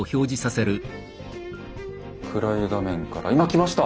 暗い画面から今きました！